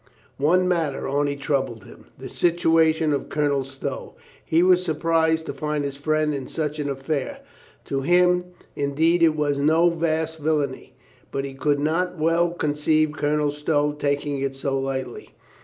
One mat ter only troubled him — the situation of Colonel Stow. He was surprised to find his friend in such an affair. To him, indeed, it was no vast villainy, but he could not well conceive Colonel Stow taking it so lightly.